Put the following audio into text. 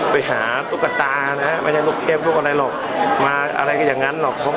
ไปหาตุ๊กตานะไม่ใช่ลูกเทพลูกอะไรหรอกมาอะไรก็อย่างนั้นหรอก